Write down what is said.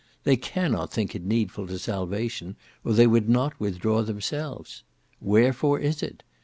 They cannot think it needful to salvation, or they would not withdraw themselves. Wherefore is it?